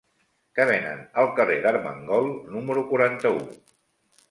Què venen al carrer d'Armengol número quaranta-u?